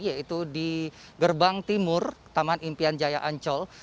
yaitu di gerbang timur taman impian jaya ancol